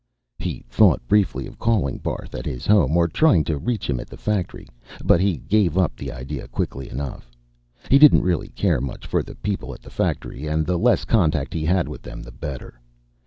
He thought briefly of calling Barth at his home or trying to reach him at the factory, but he gave up the idea quickly enough. He didn't really care much for the people at the factory and the less contact he had with them, the better.